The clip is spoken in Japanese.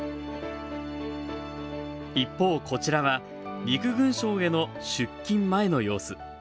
一方、こちらは陸軍省への出勤前の様子。